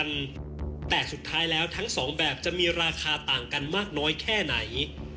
แต่สุดท้ายแล้วทั้งสองแบบจะมีราคาต่างกันมากน้อยแค่ไหน